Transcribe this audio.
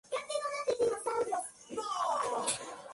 Cuenta con un canal de regatas de nivel internacional.